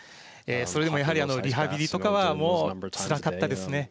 それでもやはりリハビリとかは、もうつらかったですね。